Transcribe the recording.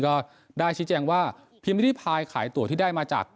ก็ได้ชิดแจ้งว่าพิมพ์นิจภัยขายตั๋วที่ได้มาจาก